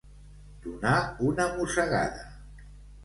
Donar una mossegada.